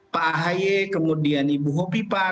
pak ahy kemudian ibu hopi pak